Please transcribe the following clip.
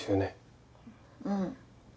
うん。